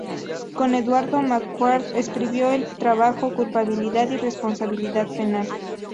Con Eduardo Marquardt escribió el trabajo "Culpabilidad y responsabilidad penal".